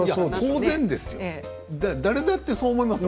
当然ですよ、誰でもそう思いますよ。